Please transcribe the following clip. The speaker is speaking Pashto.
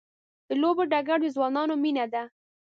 د لوبو ډګر د ځوانانو مینه ده.